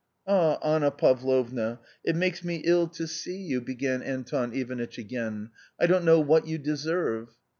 " Ah, Anna Pavlovna, it makes me ill to see you, ao A COMMON STORY began Anton Ivanitch again, "I don't know what you deserve."